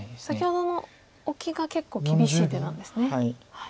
先ほどのオキが結構厳しい手なんですね。